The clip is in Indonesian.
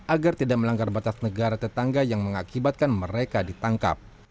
agar tidak melanggar batas negara tetangga yang mengakibatkan mereka ditangkap